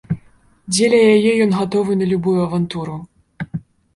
Дзеля яе ён гатовы на любую авантуру.